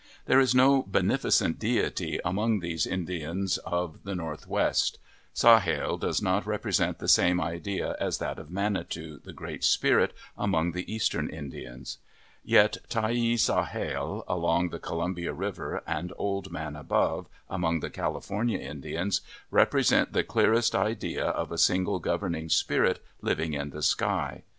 There is no beneficent deity among these Indians of the Northwest. Sahale does not represent the same idea as that of Manitou, the Great Spirit, among the eastern Indians. Yet Tyhee Sahale, along the Col umbia River, and Old Man Above, among the Cali fornia Indians, represent the clearest idea of a single governing spirit living in the sky.